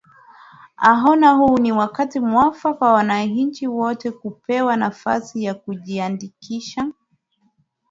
anaona huu ni wakati mwafaka wa wananchi wote kupewa nafasi ya kujiandikisha